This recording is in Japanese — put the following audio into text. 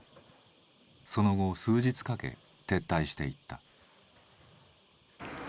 その後、数日かけ撤退していった。